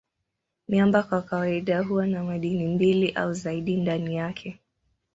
Miamba kwa kawaida huwa na madini mbili au zaidi ndani yake.